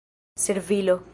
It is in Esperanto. servilo